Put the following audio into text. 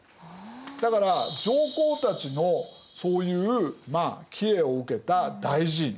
だから上皇たちのそういうまあ帰依を受けた大寺院